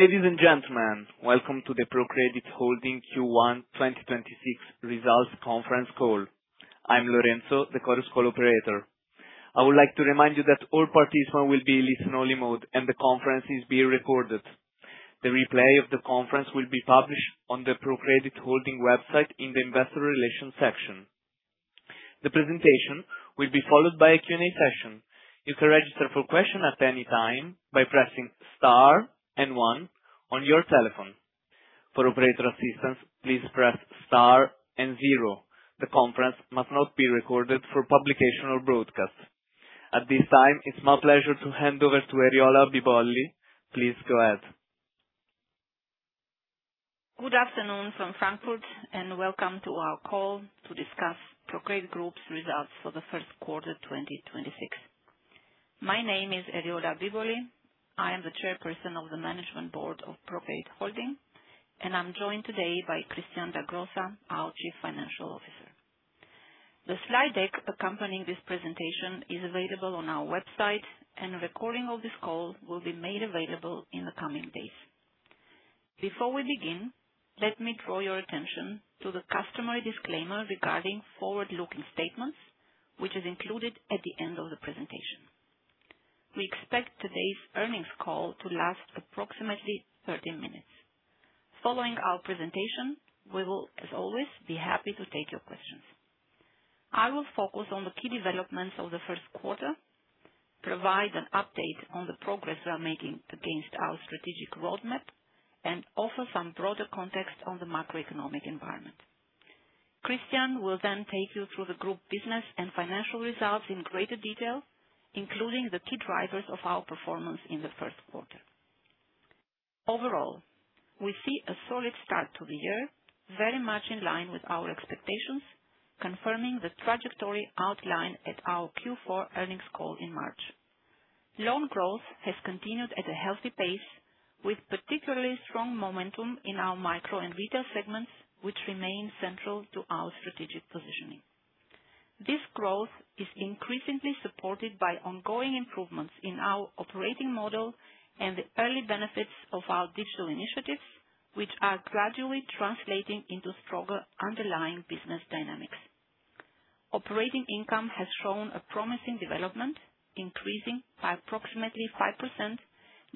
Ladies and gentlemen, welcome to the ProCredit Holding Q1 2026 results conference call. I am Lorenzo, the Chorus Call operator. I would like to remind you that all participants will be in listen-only mode and the conference is being recorded. The replay of the conference will be published on the ProCredit Holding website in the investor relations section. The presentation will be followed by a Q&A session. You can register for a question at any time by pressing star and one on your telephone. For operator assistance, please press star and zero. The conference must not be recorded for publication or broadcast. At this time, it is my pleasure to hand over to Eriola Bibolli. Please go ahead. Good afternoon from Frankfurt and welcome to our call to discuss ProCredit Group's results for the first quarter 2026. My name is Eriola Bibolli. I am the chairperson of the Management Board of ProCredit Holding, and I am joined today by Christian Dagrosa, our Chief Financial Officer. The slide deck accompanying this presentation is available on our website, and a recording of this call will be made available in the coming days. Before we begin, let me draw your attention to the customary disclaimer regarding forward-looking statements, which is included at the end of the presentation. We expect today's earnings call to last approximately 30 minutes. Following our presentation, we will, as always, be happy to take your questions. I will focus on the key developments of the first quarter, provide an update on the progress we are making against our strategic roadmap, and offer some broader context on the macroeconomic environment. Christian will then take you through the group business and financial results in greater detail, including the key drivers of our performance in the first quarter. Overall, we see a solid start to the year, very much in line with our expectations, confirming the trajectory outlined at our Q4 earnings call in March. Loan growth has continued at a healthy pace with particularly strong momentum in our micro and retail segments, which remain central to our strategic positioning. This growth is increasingly supported by ongoing improvements in our operating model and the early benefits of our digital initiatives, which are gradually translating into stronger underlying business dynamics. Operating income has shown a promising development, increasing by approximately 5%,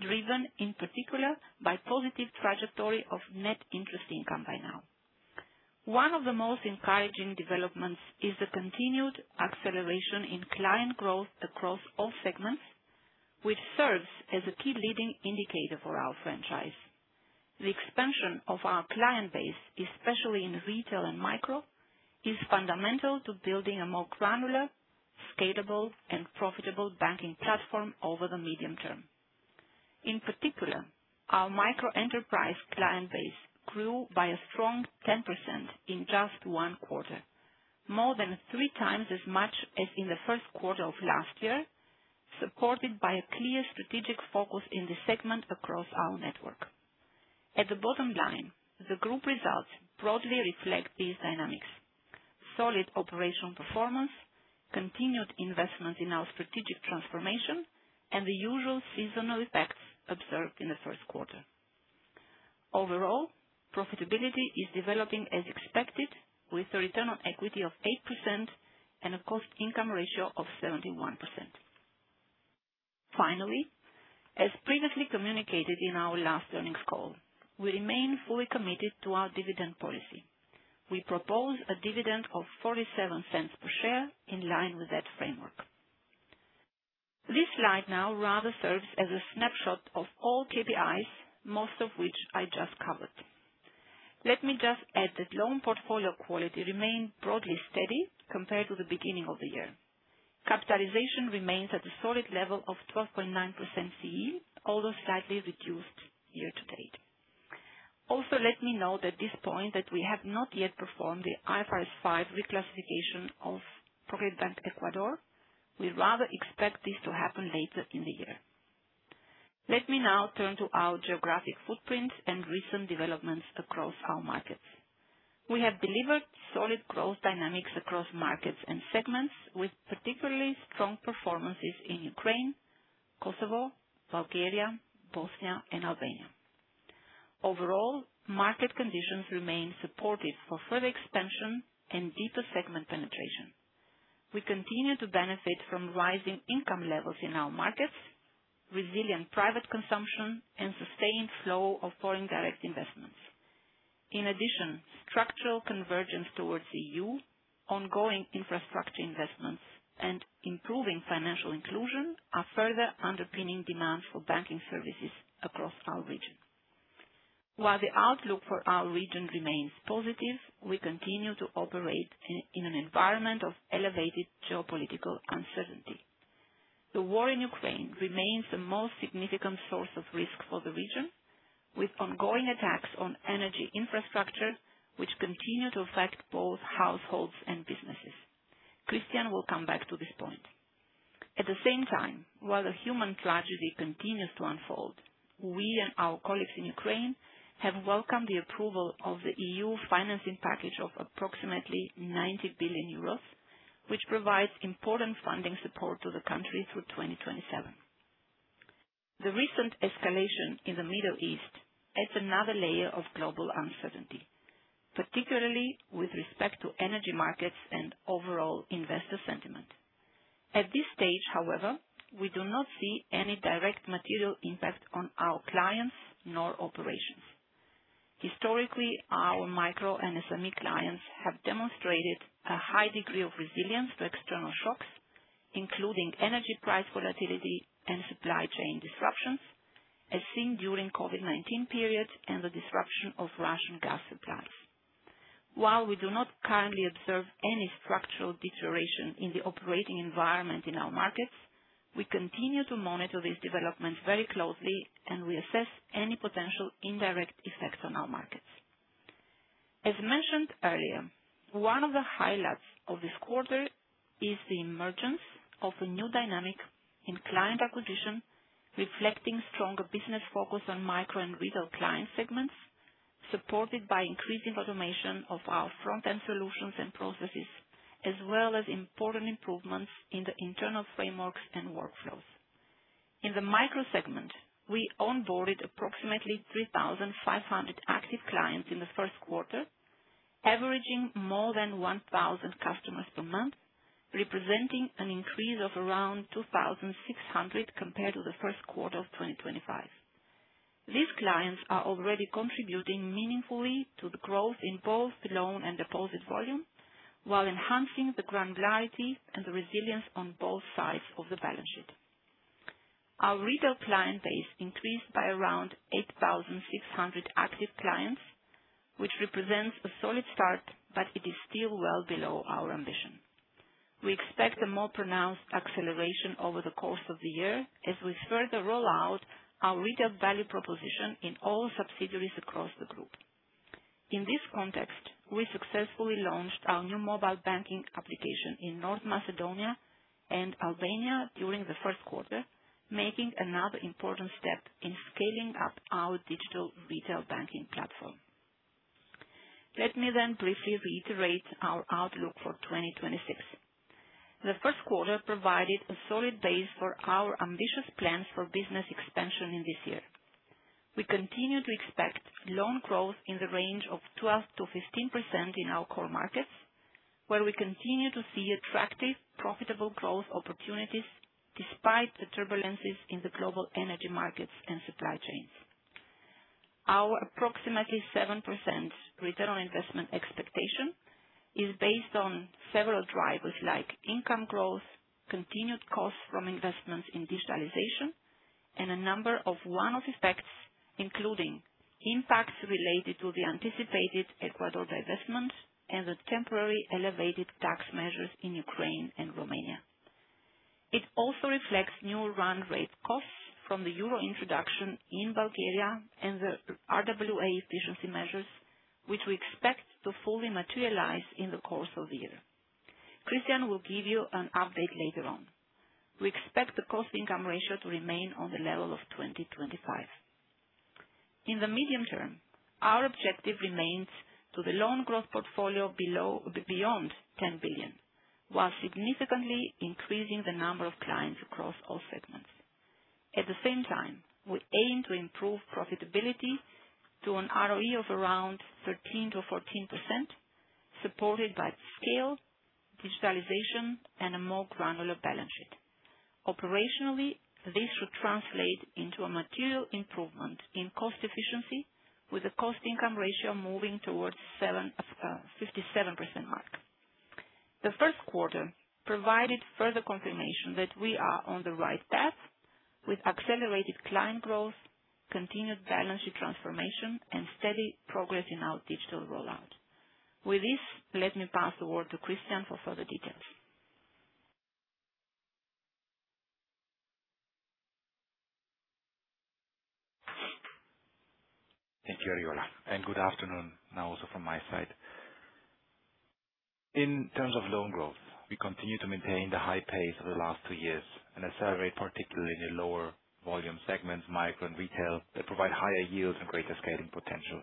driven in particular by positive trajectory of net interest income by now. One of the most encouraging developments is the continued acceleration in client growth across all segments, which serves as a key leading indicator for our franchise. The expansion of our client base, especially in retail and micro, is fundamental to building a more granular, scalable, and profitable banking platform over the medium term. In particular, our micro-enterprise client base grew by a strong 10% in just one quarter, more than 3x as much as in the first quarter of last year, supported by a clear strategic focus in this segment across our network. At the bottom line, the group results broadly reflect these dynamics: solid operational performance, continued investment in our strategic transformation, and the usual seasonal effects observed in the first quarter. Overall, profitability is developing as expected with a return on equity of 8% and a cost-income ratio of 71%. Finally, as previously communicated in our last earnings call, we remain fully committed to our dividend policy. We propose a dividend of 0.47 per share in line with that framework. This slide now rather serves as a snapshot of all KPIs, most of which I just covered. Let me just add that loan portfolio quality remained broadly steady compared to the beginning of the year. Capitalization remains at a solid level of 12.9% CET1, although slightly reduced year to date. Also, let me note at this point that we have not yet performed the IFRS 5 reclassification of ProCredit Bank Ecuador. We rather expect this to happen later in the year. Let me now turn to our geographic footprint and recent developments across our markets. We have delivered solid growth dynamics across markets and segments, with particularly strong performances in Ukraine, Kosovo, Bulgaria, Bosnia, and Albania. Overall, market conditions remain supportive for further expansion and deeper segment penetration. We continue to benefit from rising income levels in our markets, resilient private consumption, and sustained flow of Foreign Direct Investments. In addition, structural convergence towards EU, ongoing infrastructure investments, and improving financial inclusion are further underpinning demand for banking services across our region. While the outlook for our region remains positive, we continue to operate in an environment of elevated geopolitical uncertainty. The war in Ukraine remains the most significant source of risk for the region, with ongoing attacks on energy infrastructure, which continue to affect both households and businesses. Christian will come back to this point. At the same time, while a human tragedy continues to unfold, we and our colleagues in Ukraine have welcomed the approval of the EU financing package of approximately 90 billion euros, which provides important funding support to the country through 2027. The recent escalation in the Middle East adds another layer of global uncertainty, particularly with respect to energy markets and overall investor sentiment. At this stage, however, we do not see any direct material impact on our clients nor operations. Historically, our micro and SME clients have demonstrated a high degree of resilience to external shocks, including energy price volatility and supply chain disruptions, as seen during COVID-19 periods and the disruption of Russian gas supplies. While we do not currently observe any structural deterioration in the operating environment in our markets, we continue to monitor these developments very closely, and we assess any potential indirect effects on our markets. As mentioned earlier, one of the highlights of this quarter is the emergence of a new dynamic in client acquisition, reflecting stronger business focus on micro and retail client segments, supported by increasing automation of our front end solutions and processes, as well as important improvements in the internal frameworks and workflows. In the micro segment, we onboarded approximately 3,500 active clients in the first quarter, averaging more than 1,000 customers per month, representing an increase of around 2,600 compared to the first quarter of 2025. These clients are already contributing meaningfully to the growth in both loan and deposit volume while enhancing the granularity and the resilience on both sides of the balance sheet. Our retail client base increased by around 8,600 active clients, which represents a solid start, but it is still well below our ambition. We expect a more pronounced acceleration over the course of the year as we further roll out our retail value proposition in all subsidiaries across the group. In this context, we successfully launched our new mobile banking application in North Macedonia and Albania during the first quarter, making another important step in scaling up our digital retail banking platform. Let me briefly reiterate our outlook for 2026. The first quarter provided a solid base for our ambitious plans for business expansion in this year. We continue to expect loan growth in the range of 12%-15% in our core markets, where we continue to see attractive, profitable growth opportunities despite the turbulences in the global energy markets and supply chains. Our approximately 7% return on investment expectation is based on several drivers like income growth, continued costs from investments in digitalization, and a number of one-off effects, including impacts related to the anticipated Ecuador divestment and the temporary elevated tax measures in Ukraine and Romania. It also reflects new run rate costs from the euro introduction in Bulgaria and the RWA efficiency measures, which we expect to fully materialize in the course of the year. Christian will give you an update later on. We expect the cost income ratio to remain on the level of 2025. In the medium term, our objective remains to the loan growth portfolio beyond 10 billion, while significantly increasing the number of clients across all segments. At the same time, we aim to improve profitability to an ROE of around 13%-14%, supported by scale, digitalization, and a more granular balance sheet. Operationally, this should translate into a material improvement in cost efficiency with the cost income ratio moving towards 57% mark. The first quarter provided further confirmation that we are on the right path with accelerated client growth, continued balance sheet transformation, and steady progress in our digital rollout. With this, let me pass the word to Christian for further details. Thank you, Eriola. Good afternoon now also from my side. In terms of loan growth, we continue to maintain the high pace of the last two years and accelerate, particularly in the lower volume segments, micro and retail, that provide higher yields and greater scaling potential.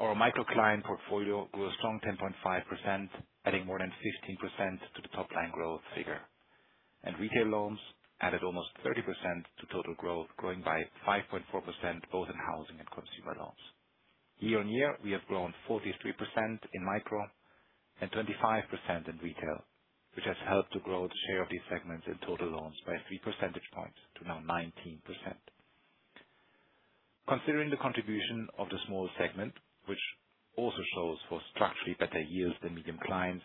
Our micro client portfolio grew a strong 10.5%, adding more than 15% to the top line growth figure. Retail loans added almost 30% to total growth, growing by 5.4% both in housing and consumer loans. Year-on-year, we have grown 43% in micro and 25% in retail, which has helped to grow the share of these segments in total loans by 3 percentage points to now 19%. Considering the contribution of the smaller segment, which also shows for structurally better yields than medium clients,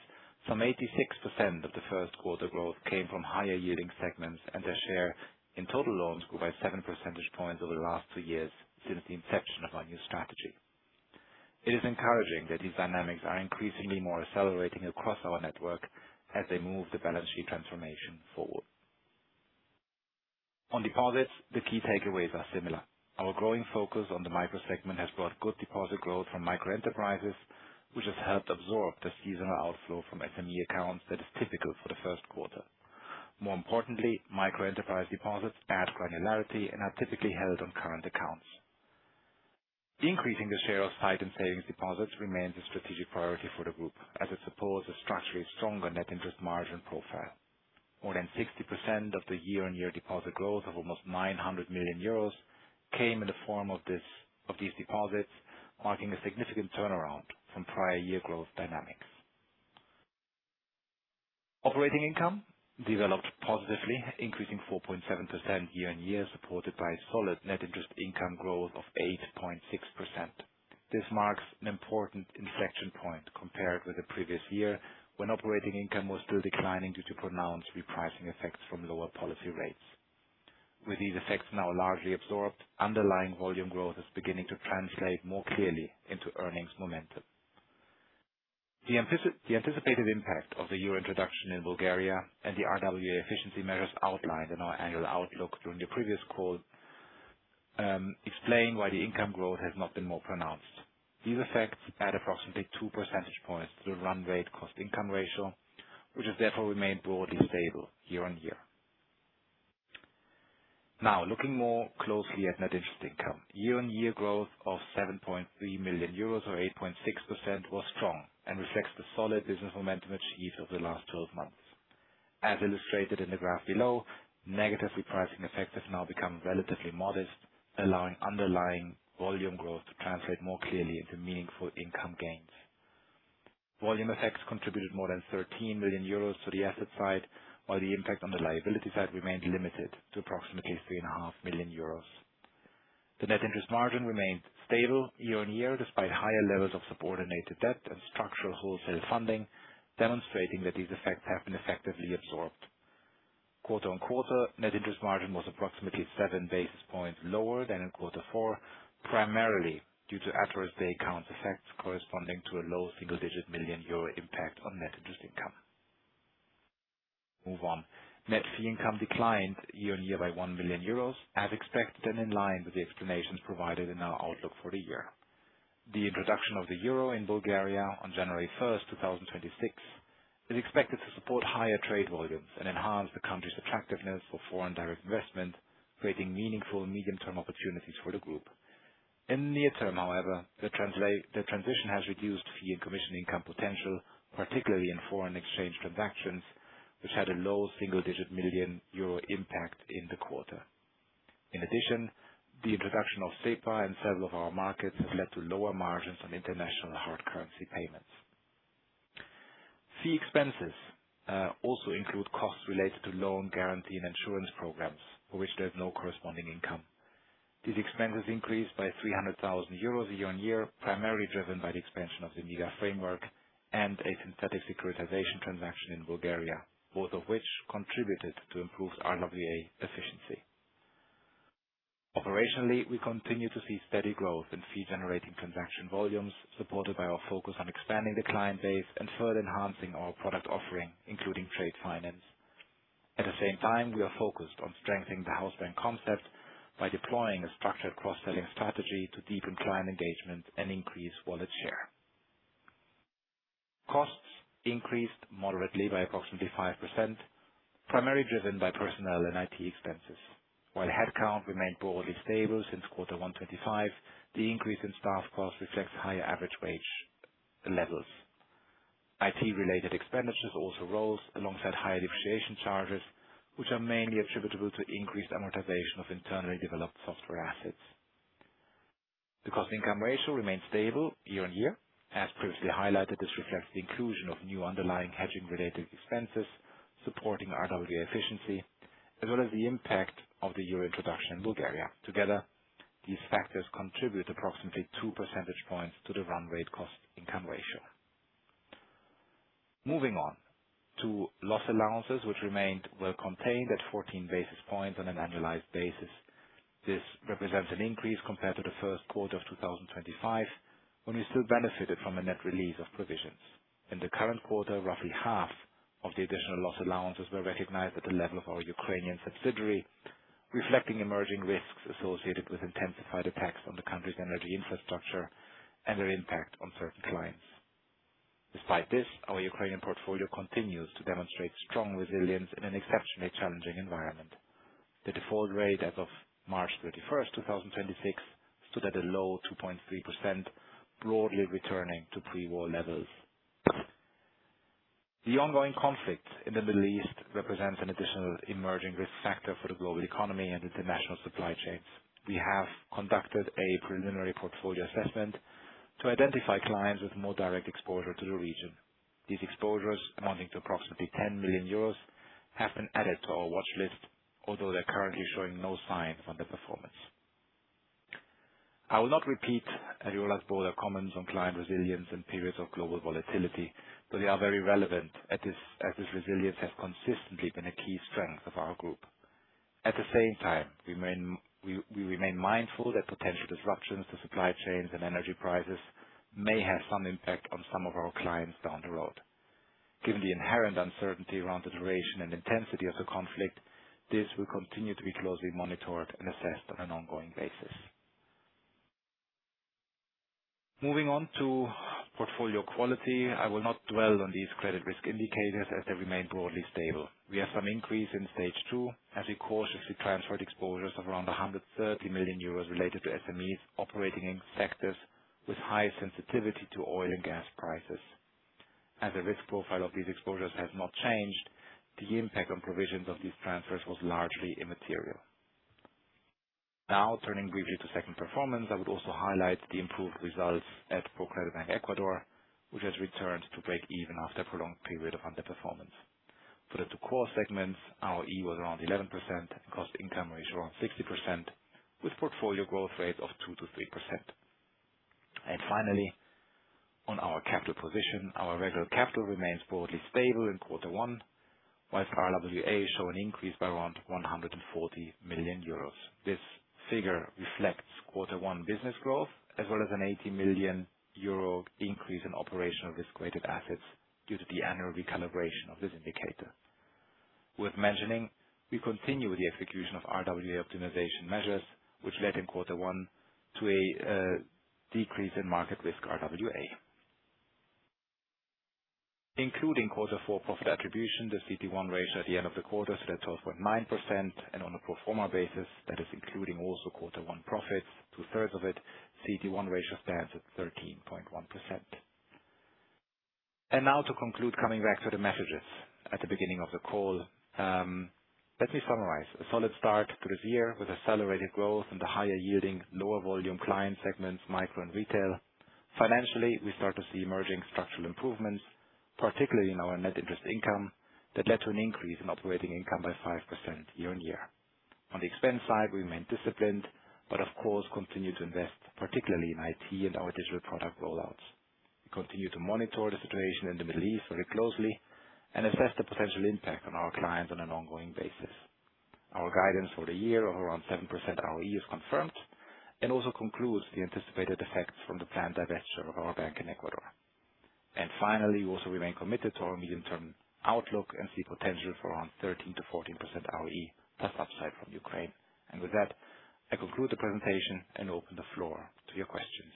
some 86% of the first quarter growth came from higher yielding segments, and their share in total loans grew by 7 percentage points over the last two years since the inception of our new strategy. It is encouraging that these dynamics are increasingly more accelerating across our network as they move the balance sheet transformation forward. On deposits, the key takeaways are similar. Our growing focus on the micro segment has brought good deposit growth from micro-enterprises, which has helped absorb the seasonal outflow from SME accounts that is typical for the first quarter. More importantly, micro-enterprise deposits add granularity and are typically held on current accounts. Increasing the share of sight and savings deposits remains a strategic priority for the group as it supports a structurally stronger net interest margin profile. More than 60% of the year-on-year deposit growth of almost 900 million euros came in the form of these deposits, marking a significant turnaround from prior year growth dynamics. Operating income developed positively, increasing 4.7% year-on-year, supported by solid net interest income growth of 8.6%. This marks an important inflection point compared with the previous year, when operating income was still declining due to pronounced repricing effects from lower policy rates. With these effects now largely absorbed, underlying volume growth is beginning to translate more clearly into earnings momentum. The anticipated impact of the euro introduction in Bulgaria and the RWA efficiency measures outlined in our annual outlook during the previous call, explain why the income growth has not been more pronounced. These effects add approximately 2 percentage points to the run rate cost-income ratio, which has therefore remained broadly stable year-on-year. Now, looking more closely at net interest income. Year-on-year growth of 7.3 million euros, or 8.6%, was strong and reflects the solid business momentum achieved over the last 12 months. As illustrated in the graph below, negative repricing effect has now become relatively modest, allowing underlying volume growth to translate more clearly into meaningful income gains. Volume effects contributed more than 13 million euros to the asset side, while the impact on the liability side remained limited to approximately 3.5 million euros. The net interest margin remained stable year-on-year, despite higher levels of subordinated debt and structural wholesale funding, demonstrating that these effects have been effectively absorbed. Quarter-on-quarter, net interest margin was approximately seven basis points lower than in quarter four, primarily due to adverse base account effects corresponding to a low single-digit million EUR impact on net interest income. Move on. Net fee income declined year-on-year by 1 million euros, as expected and in line with the explanations provided in our outlook for the year. The introduction of the euro in Bulgaria on January 1st, 2026, is expected to support higher trade volumes and enhance the country's attractiveness for foreign direct investment, creating meaningful medium-term opportunities for the group. In the near term, however, the transition has reduced fee and commission income potential, particularly in foreign exchange transactions, which had a low single-digit million euro impact in the quarter. In addition, the introduction of SEPA in several of our markets has led to lower margins on international hard currency payments. Fee expenses also include costs related to loan guarantee and insurance programs for which there is no corresponding income. These expenses increased by 300,000 euros year-on-year, primarily driven by the expansion of the MIGA framework and a synthetic securitization transaction in Bulgaria, both of which contributed to improved RWA efficiency. Operationally, we continue to see steady growth in fee-generating transaction volumes, supported by our focus on expanding the client base and further enhancing our product offering, including trade finance. At the same time, we are focused on strengthening the house bank concept by deploying a structured cross-selling strategy to deepen client engagement and increase wallet share. Costs increased moderately by approximately 5%, primarily driven by personnel and IT expenses. While headcount remained broadly stable since Q1 2025, the increase in staff costs reflects higher average wage levels. IT-related expenditures also rose alongside higher depreciation charges, which are mainly attributable to increased amortization of internally developed software assets. The cost-income ratio remained stable year-on-year. As previously highlighted, this reflects the inclusion of new underlying hedging-related expenses supporting RWA efficiency, as well as the impact of the euro introduction in Bulgaria. Together, these factors contribute approximately 2 percentage points to the run rate cost-income ratio. Moving on to loss allowances, which remained well contained at 14 basis points on an annualized basis. This represents an increase compared to the first quarter of 2025, when we still benefited from a net release of provisions. In the current quarter, roughly half of the additional loss allowances were recognized at the level of our Ukrainian subsidiary, reflecting emerging risks associated with intensified attacks on the country's energy infrastructure and their impact on certain clients. Despite this, our Ukrainian portfolio continues to demonstrate strong resilience in an exceptionally challenging environment. The default rate as of March 31st, 2026, stood at a low 2.3%, broadly returning to pre-war levels. The ongoing conflict in the Middle East represents an additional emerging risk factor for the global economy and international supply chains. We have conducted a preliminary portfolio assessment to identify clients with more direct exposure to the region. These exposures, amounting to approximately 10 million euros, have been added to our watch list, although they're currently showing no signs on the performance. I will not repeat comments on client resilience in periods of global volatility, but they are very relevant as this resilience has consistently been a key strength of our group. At the same time, we remain mindful that potential disruptions to supply chains and energy prices may have some impact on some of our clients down the road. Given the inherent uncertainty around the duration and intensity of the conflict, this will continue to be closely monitored and assessed on an ongoing basis. Moving on to portfolio quality. I will not dwell on these credit risk indicators as they remain broadly stable. We have some increase in stage 2 as we cautiously transferred exposures of around 130 million euros related to SMEs operating in sectors with high sensitivity to oil and gas prices. As the risk profile of these exposures has not changed, the impact on provisions of these transfers was largely immaterial. Now, turning briefly to segment performance, I would also highlight the improved results at ProCredit Bank Ecuador, which has returned to break even after a prolonged period of underperformance. For the two core segments, ROE was around 11%, cost-income ratio around 60%, with portfolio growth rate of 2%-3%. Finally, on our capital position, our regular capital remains broadly stable in quarter one, whilst RWA show an increase by around 140 million euros. This figure reflects quarter one business growth, as well as an 80 million euro increase in operational risk-weighted assets due to the annual recalibration of this indicator. Worth mentioning, we continue with the execution of RWA optimization measures, which led in quarter one to a decrease in market risk RWA. Including quarter four profit attribution, the CET1 ratio at the end of the quarter stood at 12.9%, and on a pro forma basis, that is including also quarter one profits, 2/3 of it, CET1 ratio stands at 13.1%. Now to conclude, coming back to the messages at the beginning of the call. Let me summarize. A solid start to this year with accelerated growth in the higher-yielding, lower volume client segments, micro and retail. Financially, we start to see emerging structural improvements, particularly in our net interest income, that led to an increase in operating income by 5% year-on-year. On the expense side, we remain disciplined, but of course, continue to invest, particularly in IT and our digital product rollouts. We continue to monitor the situation in the Middle East very closely and assess the potential impact on our clients on an ongoing basis. Our guidance for the year of around 7% ROE is confirmed, and also concludes the anticipated effects from the planned divesture of our ProCredit Bank Ecuador. Finally, we also remain committed to our medium-term outlook and see potential for around 13%-14% ROE post-upside from Ukraine. With that, I conclude the presentation and open the floor to your questions.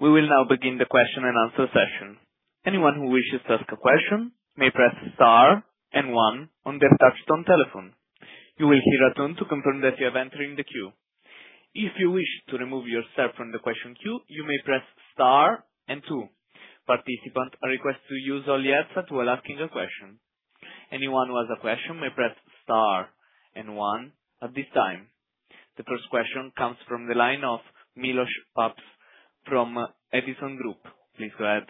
We will now begin the question and answer session. Anyone who wishes to ask a question may press star and one on their touch-tone telephone. You will hear a tone to confirm that you have entered in the queue. If you wish to remove yourself from the question queue, you may press star and two. Participants are requested to use only yes while asking a question. Anyone who has a question may press star and one at this time. The first question comes from the line of Milosz Papst from Edison Group. Please go ahead.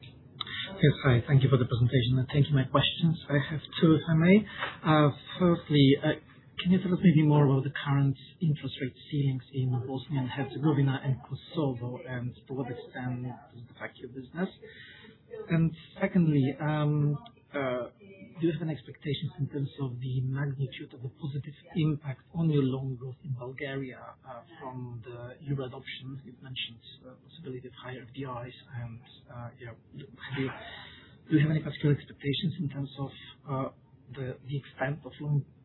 Yes. Hi. Thank you for the presentation. Thank you. My questions, I have two, if I may. Firstly, can you tell us maybe more about the current interest rate ceilings in Bosnia and Herzegovina and Kosovo and to what extent it does impact your business? Secondly, do you have any expectations in terms of the magnitude of the positive impact on your loan growth in Bulgaria from the euro adoptions? You've mentioned the possibility of higher FDIs, do you have any particular expectations in terms of the extent of loan growth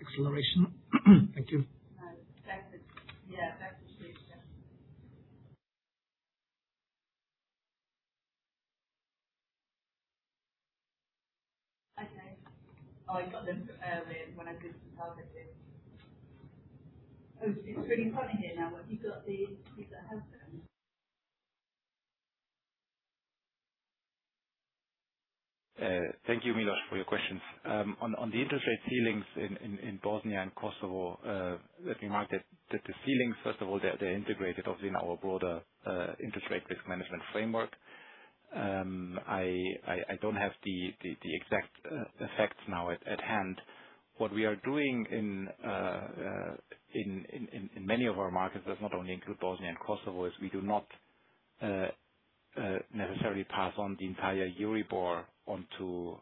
acceleration? Thank you. Thank you, Milosz. For your questions. On the interest rate ceilings in Bosnia and Kosovo, let me mark that the ceilings, first of all, they are integrated within our broader interest rate risk management framework. I don't have the exact effects now at hand. What we are doing in many of our markets, does not only include Bosnia and Kosovo, is we do not necessarily pass on the entire Euribor onto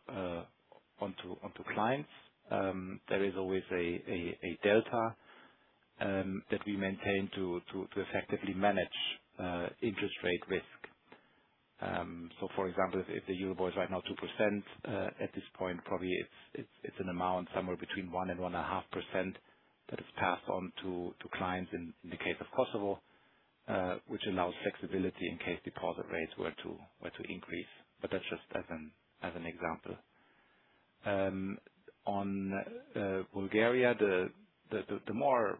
clients. There is always a delta that we maintain to effectively manage interest rate risk. So for example, if the Euribor is right now 2%, at this point, probably it is an amount somewhere between 1% and 1.5% that is passed on to clients in the case of Kosovo, which allows flexibility in case deposit rates were to increase. But that is just as an example. On Bulgaria, the more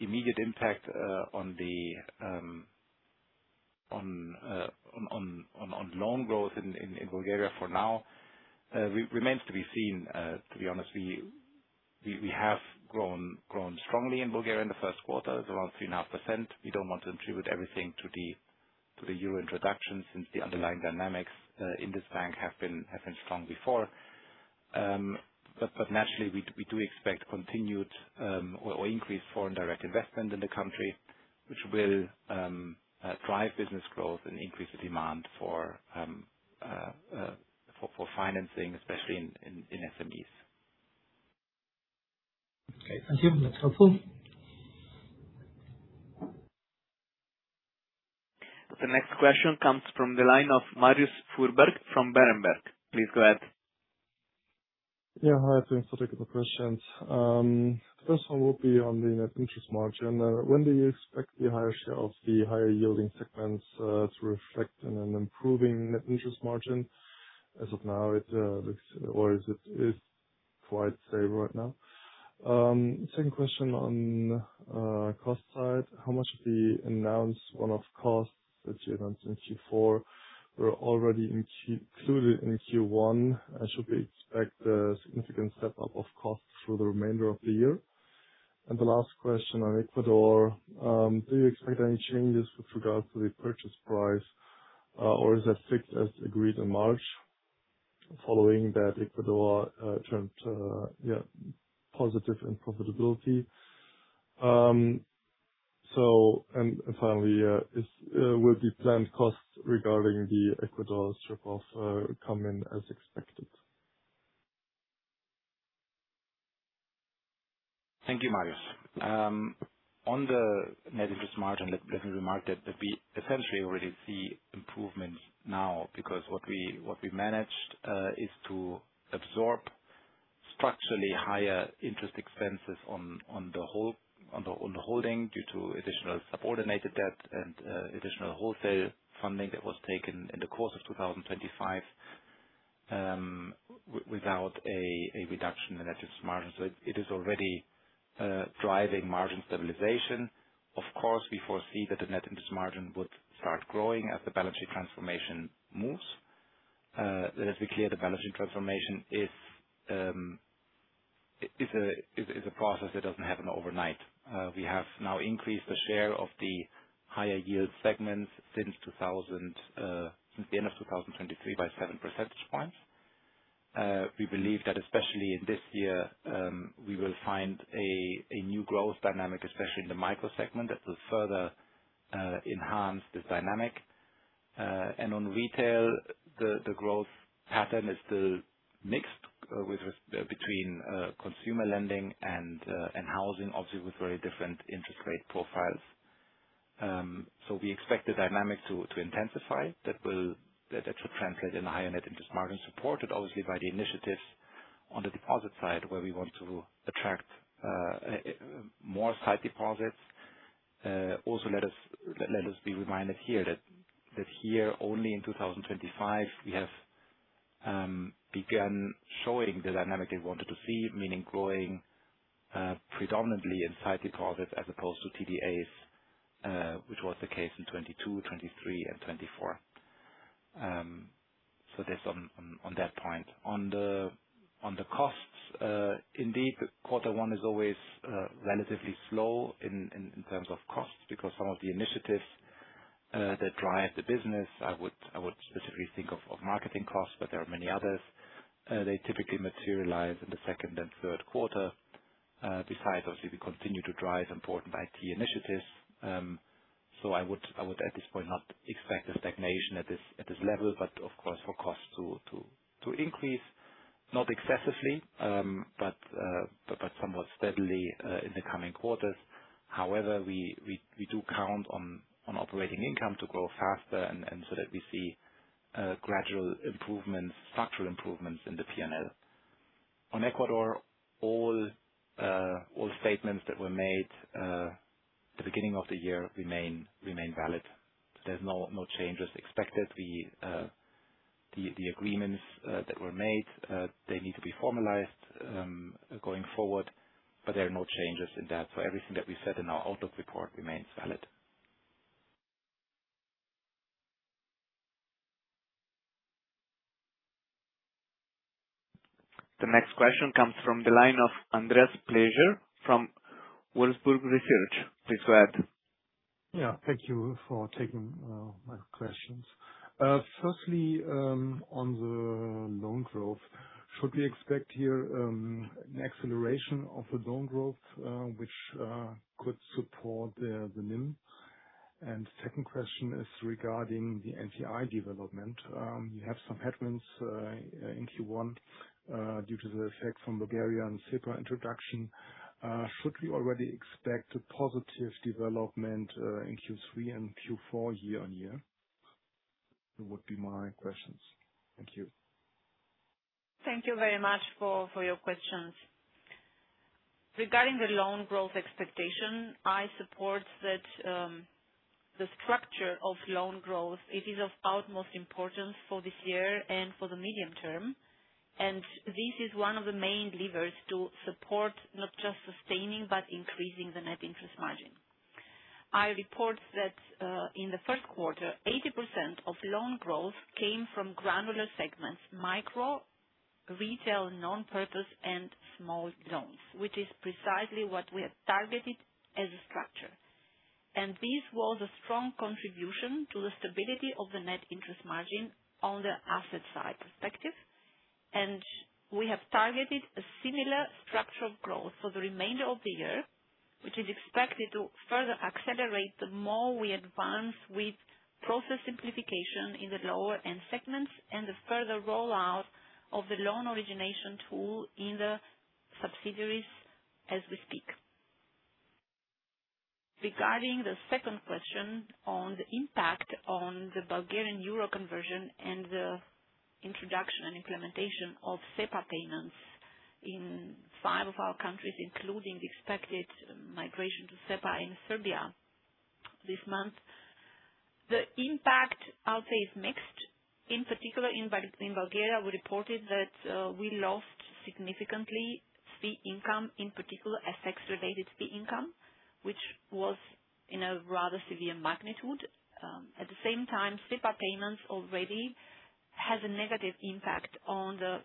immediate impact on loan growth in Bulgaria for now remains to be seen. To be honest, we have grown strongly in Bulgaria in the first quarter, around 3.5%. We don't want to attribute everything to the euro introduction since the underlying dynamics in this bank have been strong before. But naturally, we do expect continued or increased Foreign Direct Investment in the country, which will drive business growth and increase the demand for financing, especially in SMEs. Okay. Thank you. That is helpful. The next question comes from the line of Marius Fuhrberg from Berenberg. Please go ahead. Yeah. Hi, thanks for taking the questions. First one will be on the net interest margin. When do you expect the higher share of the higher yielding segments to reflect in an improving net interest margin? As of now, it is quite stable right now. Second question on cost side, how much of the announced one-off costs that you announced in Q4 were already included in Q1? Should we expect a significant step-up of costs through the remainder of the year? The last question on Ecuador, do you expect any changes with regards to the purchase price? Or is that fixed as agreed in March following that Ecuador turned positive in profitability? Finally, will the planned costs regarding the Ecuador strip-off come in as expected? Thank you, Marius. On the net interest margin that we remarked that we essentially already see improvements now, because what we managed is to absorb structurally higher interest expenses on the holding due to additional subordinated debt and additional wholesale funding that was taken in the course of 2025, without a reduction in the net interest margin. It is already driving margin stabilization. Of course, we foresee that the net interest margin would start growing as the balance sheet transformation moves. Let us be clear, the balance sheet transformation is a process that doesn't happen overnight. We have now increased the share of the higher yield segments since the end of 2023 by 7 percentage points. We believe that especially in this year, we will find a new growth dynamic, especially in the micro segment, that will further enhance this dynamic. On retail, the growth pattern is still mixed between consumer lending and housing, obviously, with very different interest rate profiles. We expect the dynamic to intensify. That should translate in a higher net interest margin, supported obviously by the initiatives on the deposit side, where we want to attract more sight deposits. Also, let us be reminded here that here, only in 2025, we have begun showing the dynamic we wanted to see, meaning growing predominantly in sight deposits as opposed to TDs, which was the case in 2022, 2023, and 2024. That's on that point. On the costs, indeed, Q1 is always relatively slow in terms of costs because some of the initiatives that drive the business, I would specifically think of marketing costs, but there are many others. They typically materialize in the second and third quarter. Besides, obviously, we continue to drive important IT initiatives. I would, at this point, not expect a stagnation at this level, but of course, for costs to increase, not excessively, but somewhat steadily in the coming quarters. However, we do count on operating income to grow faster, that we see gradual improvements, structural improvements in the P&L. On Ecuador, all statements that were made the beginning of the year remain valid. There's no changes expected. The agreements that were made, they need to be formalized going forward, but there are no changes in that. Everything that we said in our outlook report remains valid. The next question comes from the line of Andreas Pläsier from Warburg Research. Please go ahead. Yeah. Thank you for taking my questions. Firstly, on the loan growth, should we expect here an acceleration of the loan growth, which could support the NIM? Second question is regarding the NFI development. You have some headwinds in Q1 due to the effect from Bulgaria and SEPA introduction. Should we already expect a positive development in Q3 and Q4 year-on-year? That would be my questions. Thank you. Thank you very much for your questions. Regarding the loan growth expectation, I support that the structure of loan growth, it is of utmost importance for this year and for the medium term. This is one of the main levers to support not just sustaining, but increasing the net interest margin. I report that in the first quarter, 80% of loan growth came from granular segments: micro, retail, non-purpose, and small loans, which is precisely what we have targeted as a structure. This was a strong contribution to the stability of the net interest margin on the asset side perspective. We have targeted a similar structure of growth for the remainder of the year, which is expected to further accelerate the more we advance with process simplification in the lower end segments and the further rollout of the loan origination tool in the subsidiaries as we speak. Regarding the second question on the impact on the Bulgarian euro conversion and the introduction and implementation of SEPA payments in five of our countries, including the expected migration to SEPA in Serbia this month. The impact, I'll say, is mixed. In particular, in Bulgaria, we reported that we lost significantly fee income, in particular, FX-related fee income, which was in a rather severe magnitude. At the same time, SEPA payments already has a negative impact on the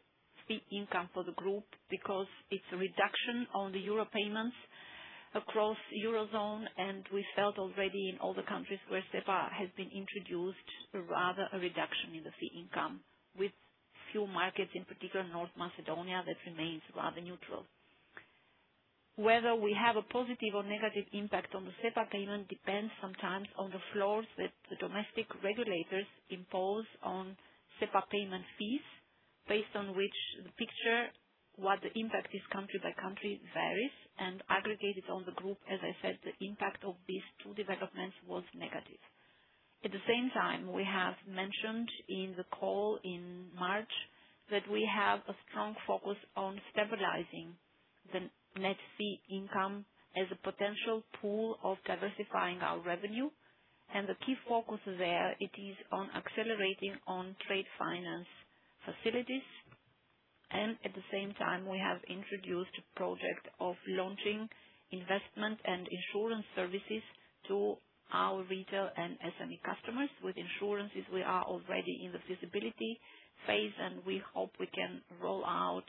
fee income for the group because it's a reduction on the euro payments across Eurozone. We felt already in all the countries where SEPA has been introduced, rather a reduction in the fee income, with few markets, in particular, North Macedonia, that remains rather neutral. Whether we have a positive or negative impact on the SEPA payment depends sometimes on the floors that the domestic regulators impose on SEPA payment fees, based on which the picture, what the impact is country by country varies, aggregated on the group, as I said, the impact of these two developments was negative. At the same time, we have mentioned in the call in March that we have a strong focus on stabilizing the Net Fee Income as a potential pool of diversifying our revenue. The key focus there it is on accelerating on trade finance facilities. At the same time, we have introduced a project of launching investment and insurance services to our retail and SME customers. With insurances, we are already in the feasibility phase. We hope we can roll out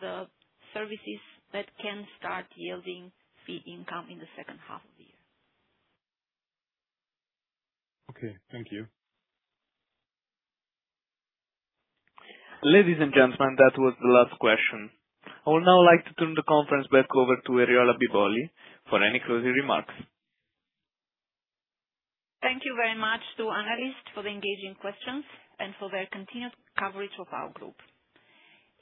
the services that can start yielding fee income in the second half of the year. Okay. Thank you. Ladies and gentlemen, that was the last question. I would now like to turn the conference back over to Eriola Bibolli for any closing remarks. Thank you very much to analysts for the engaging questions and for their continued coverage of our group.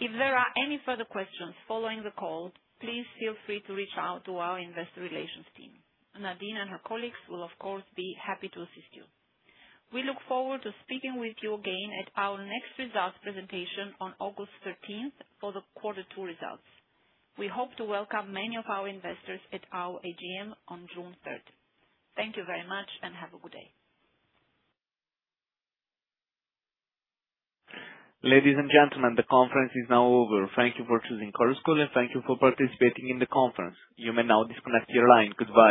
If there are any further questions following the call, please feel free to reach out to our investor relations team. Nadine and her colleagues will, of course, be happy to assist you. We look forward to speaking with you again at our next results presentation on August 13th for the quarter two results. We hope to welcome many of our investors at our AGM on June third. Thank you very much and have a good day. Ladies and gentlemen, the conference is now over. Thank you for choosing Chorus Call, and thank you for participating in the conference. You may now disconnect your line. Goodbye.